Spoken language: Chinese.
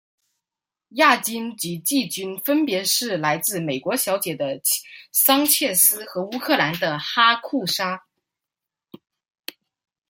亚军及季军分别是来自美国小姐的桑切斯及乌克兰的哈库沙。